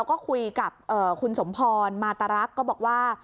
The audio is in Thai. ก็คุยกับคุณสมพรมาตรรักษ์ก็บอกว่า